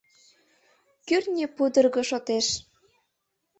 Кӱртньӧ пудырго шотеш.